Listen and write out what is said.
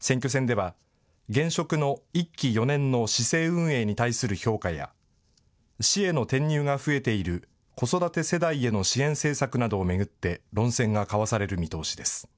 選挙戦では現職の１期４年の市政運営に対する評価や市への転入が増えている子育て世代への支援政策などを巡って論戦が交わされる見通しです。